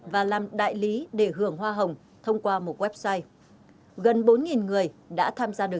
và làm đại lý để hưởng hoa hồng thông qua một website